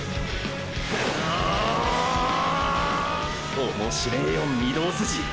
おもしれぇよ御堂筋！！